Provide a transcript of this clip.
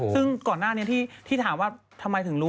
ซึ่งก่อนหน้านี้ที่ถามว่าทำไมถึงรู้